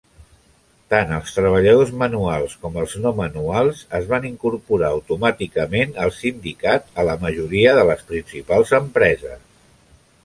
Tant els treballadors manuals com els no manuals es van incorporar automàticament al sindicat a la majoria de les principals empreses.